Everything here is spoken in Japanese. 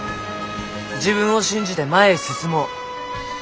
「自分を信じて前へ進もう」。